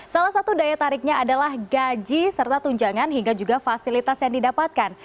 salah satu daya tariknya adalah gaji serta tunjangan hingga juga fasilitas yang didapatkan